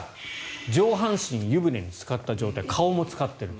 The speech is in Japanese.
上半身、湯船につかった状態顔もつかっている。